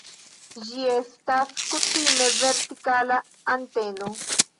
Ĝi estas kutime vertikala anteno.